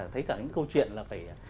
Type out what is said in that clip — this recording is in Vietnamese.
thấy cả những câu chuyện là phải